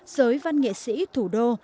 giới văn nghệ sĩ thủ đô